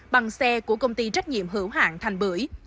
bằng xe của công ty trách nhiệm hữu hạng thành bưởi